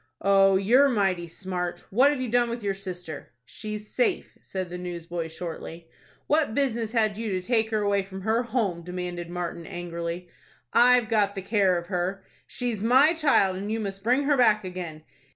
"Oh, you're mighty smart. What have you done with your sister?" "She's safe," said the newsboy, shortly. "What business had you to take her away from her home?" demanded Martin, angrily. "I've got the care of her." "She's my child, and you must bring her back again."